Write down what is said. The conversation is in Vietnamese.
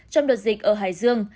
trong đợt dịch ở hải dương